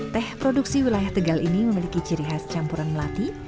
teh produksi wilayah tegal ini memiliki ciri khas campuran melati